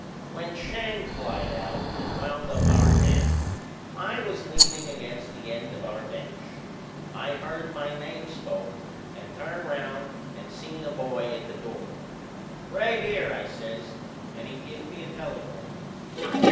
When Schang flied out and wound up our tenth I was leanin' against the end of our bench. I heard my name spoke, and I turned round and seen a boy at the door. "Right here!" I says; and he give me a telegram.